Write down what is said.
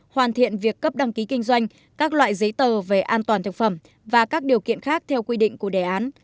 hoàn thiện việc cấp đăng ký kinh doanh các loại giấy tờ về an toàn thực phẩm và các điều kiện khác theo quy định của đề án